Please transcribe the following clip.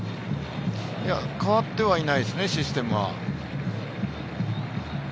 変わってはいないですね、システムは。